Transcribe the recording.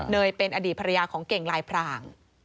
เป็นอดีตภรรยาของเก่งลายพราง